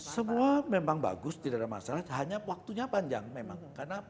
semua memang bagus tidak ada masalah hanya waktunya panjang memang